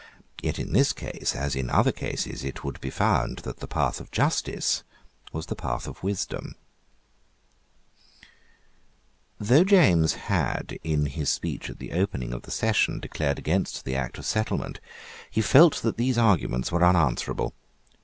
Yet in this case, as in other cases, it would be found that the path of justice was the path of wisdom, Though James had, in his speech at the opening of the session, declared against the Act of Settlement, he felt that these arguments were unanswerable.